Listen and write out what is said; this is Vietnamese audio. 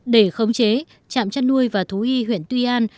để khống chế trạm chăn nuôi và thú y huyện tuy an